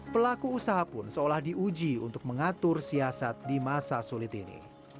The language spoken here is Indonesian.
pelaku usaha pun seolah diuji untuk mengatur siasat di masa sulit ini